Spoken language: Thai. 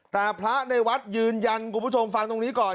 แต่พระในวัดยืนยันคุณผู้ชมฟังตรงนี้ก่อน